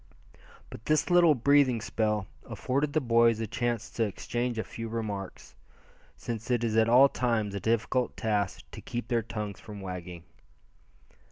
But this little breathing spell afforded the boys a chance to exchange a few remarks, since it is at all times a difficult task to keep their tongues from wagging.